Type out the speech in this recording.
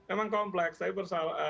emang kompleks tapi